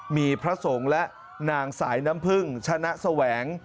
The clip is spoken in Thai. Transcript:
มีพระสงฆ์และนางสายน้ำพึ่งชนะแสวง